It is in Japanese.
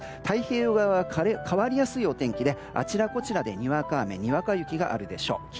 太平洋側は変わりやすいお天気であちらこちらでにわか雨やにわか雪があるでしょう。